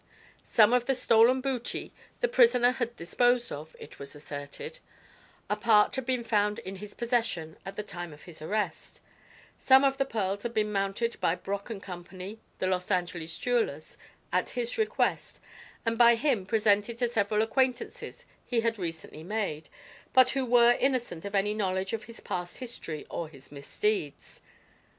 Some of the stolen booty the prisoner had disposed of, it was asserted; a part had been found in his possession at the time of his arrest; some of the pearls had been mounted by Brock & Co., the Los Angeles jewelers, at his request, and by him presented to several acquaintances he had recently made but who were innocent of any knowledge of his past history or his misdeeds.